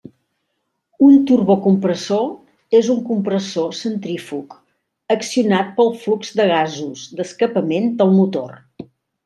Un turbocompressor és un compressor centrífug accionat pel flux de gasos d'escapament del motor.